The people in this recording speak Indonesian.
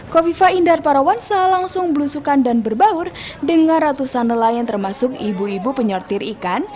kofifa indar parawansa langsung belusukan dan berbaur dengan ratusan nelayan termasuk ibu ibu penyortir ikan